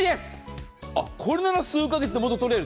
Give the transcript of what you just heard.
これなら数か月で元を取れる。